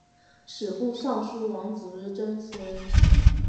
吏部尚书王直曾孙。